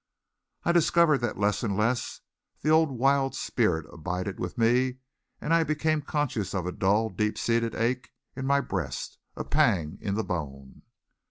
I discovered that less and less the old wild spirit abided with me and I become conscious of a dull, deep seated ache in my breast, a pang in the bone.